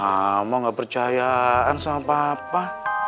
ma mau gak percayaan sama papa